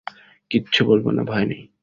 কিচ্ছু বলব না, ভয় নেই।